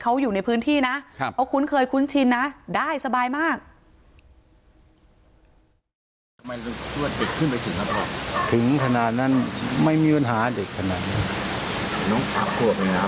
ครบครบครบครบครบครบครบครบครบครบครบครบครบครบครบครบ